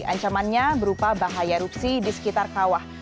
ancamannya berupa bahaya erupsi di sekitar kawah